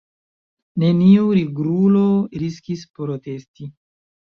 Neniu nigrulo riskis protesti.